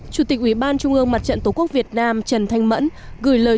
chủ tịch ủy ban trung ương mặt trận tổ quốc việt nam trần thanh mẫn gửi lời